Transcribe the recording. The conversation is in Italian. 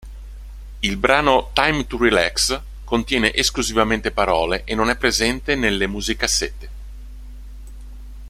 Il brano "Time to Relax" contiene esclusivamente parole e non è presente nelle musicassette.